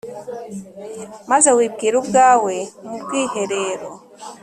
maze wibwira ubwawe mu bwiherero,